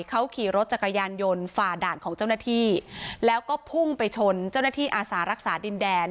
เขาขี่รถจักรยานยนต์ฝ่าด่านของเจ้าหน้าที่แล้วก็พุ่งไปชนเจ้าหน้าที่อาสารักษาดินแดน